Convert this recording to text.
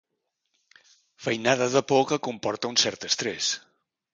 Feinada de por que comporta un cert estrés.